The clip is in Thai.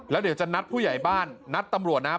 แล้วเดี๋ยวจะนัดผู้ใหญ่บ้านนัดตำรวจนะครับ